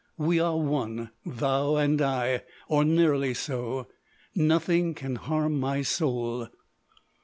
"We are one, thou and I,—or nearly so. Nothing can harm my soul."